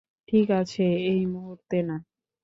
ঠিক আছে, এই মুহুর্তে না।